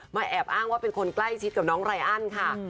แอบอ้างว่าเป็นคนใกล้ชิดกับน้องไรอันค่ะ